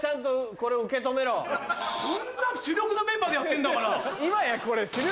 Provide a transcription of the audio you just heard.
こんな主力のメンバーでやってんだから！